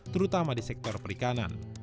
terutama di sektor perikanan